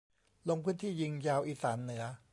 ลงพื้นที่ยิงยาวอีสานเหนือ